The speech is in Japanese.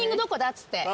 っつって。